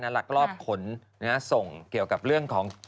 ลักลอบขนส่งเกี่ยวกับเรื่องของ